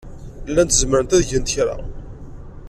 Llant zemrent ad gent kra.